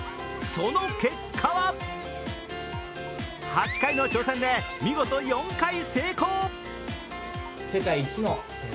その結果は８回の挑戦で見事４回成功。